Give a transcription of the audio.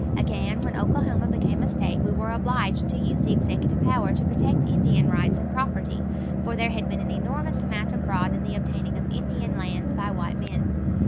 Again, when Oklahoma became a State we were obliged to use the executive power to protect Indian rights and property, for there had been an enormous amount of fraud in the obtaining of Indian lands by white men.